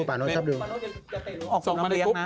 ส่งมาน้ำเลี้ยงนะ